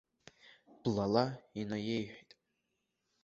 Блала инаиеиҳәеит.